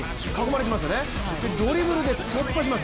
で、ドリブルで突破します。